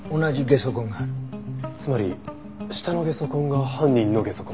つまり下のゲソ痕が犯人のゲソ痕。